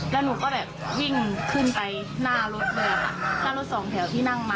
แล้วหนูก็แบบวิ่งขึ้นไปหน้ารถเลยค่ะหน้ารถสองแถวที่นั่งมา